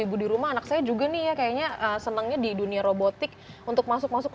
ibu di rumah anak saya juga nih ya kayaknya senengnya di dunia robotik untuk masuk masuk